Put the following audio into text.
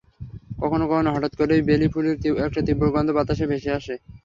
কখনো কখনো হঠাৎ করেই বেলি ফুলের একটা তীব্র গন্ধ বাতাসে ভেসে আসে।